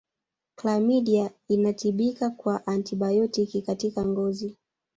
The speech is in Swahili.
Klamidia inatibika kwa antibaotiki katika ngozi